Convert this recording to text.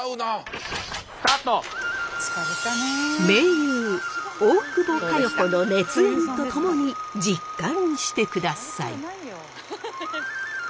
名優・大久保佳代子の熱演とともに実感してください。